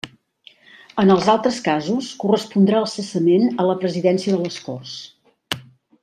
En els altres casos, correspondrà el cessament a la Presidència de les Corts.